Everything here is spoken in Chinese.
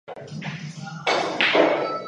哈姆人最终凭借更多的入球数而夺冠。